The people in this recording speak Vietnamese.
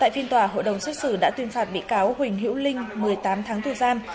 phạt bị cáo huỳnh hiễu linh một mươi tám tháng tù giam